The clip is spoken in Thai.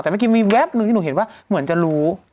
แต่เมื่อกี้มีแวบหนึ่งที่หนูเห็นว่าเหมือนจะรู้